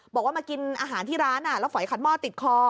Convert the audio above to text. บอกว่ามากินอาหารที่ร้านแล้วฝอยขัดหม้อติดคอ